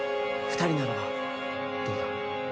二人ならばどうだ？